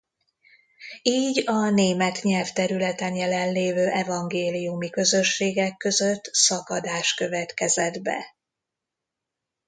Így a német nyelvterületen jelenlévő evangéliumi közösségek között szakadás következett be.